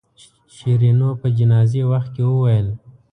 شیرینو په جنازې وخت کې وویل.